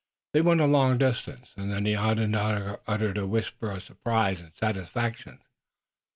They went a long distance and then the Onondaga uttered a whisper of surprise and satisfaction.